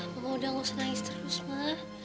mama udah nggak usah nangis terus ma